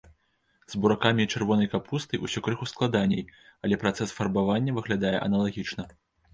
З буракамі і чырвонай капустай усё крыху складаней, але працэс фарбавання выглядае аналагічна.